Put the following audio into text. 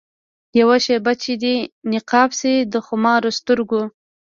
یوه شېبه چي دي نقاب سي د خمارو سترګو